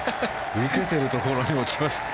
受けているところに落ちました。